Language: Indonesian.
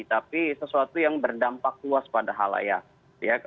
tapi sesuatu yang berdampak luas pada halayak